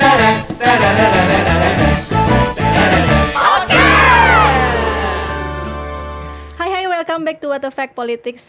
hai hai selamat datang kembali di what the fact politics